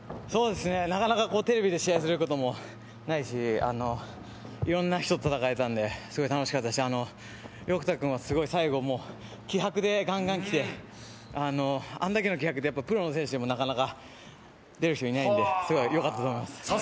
なかなかテレビで試合することもないし、いろんな人と戦えたのですごい楽しかったし、横田君は最後、気迫でガンガンきてあんだけの気迫って、プロの選手でもなかなか出る人ないんですごいよかったと思います。